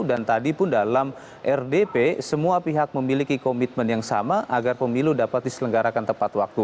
dan tadi pun dalam rdp semua pihak memiliki komitmen yang sama agar pemilu dapat diselenggarakan tepat waktu